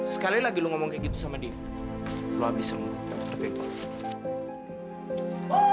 sekali lagi lo ngomong kayak gitu sama dia lo abis sama